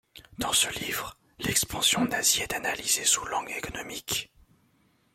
Dans ce livre, l'expansion nazie est analysée sous l’angle économique.